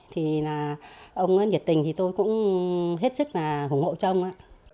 thì ông nhiệt tình thì tôi cũng hết sức là ủng hộ cho ông ạ